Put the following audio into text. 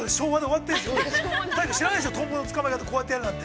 知らないでしょう、トンボのつかまえ方、こうやってやるって。